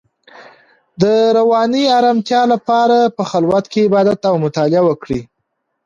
د رواني ارامتیا لپاره په خلوت کې عبادت او مطالعه وکړئ.